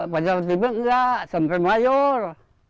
pajak tiba tiba enggak sampai mayor